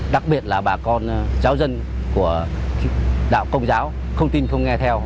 đặc biệt là bà con giáo dân của đạo công giáo không tin không nghe theo